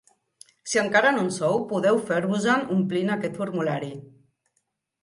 Si encara no en sou, podeu fer-vos-en omplint aquest formulari.